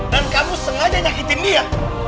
dan kamu sengaja nyakitin dia